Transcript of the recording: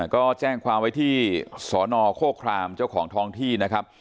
ก็แจ้งความไว้ที่สนโฆครามเจ้าของท้องที่นะครับ